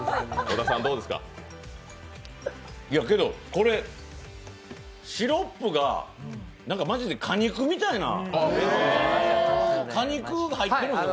これ、シロップがなんかマジで果肉みたいな、果肉が入ってるんですか？